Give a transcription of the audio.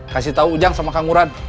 kasih tau ujang sama kang uran